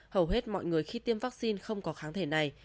hầu hết mọi người khi tiêm vaccine không có kháng thể này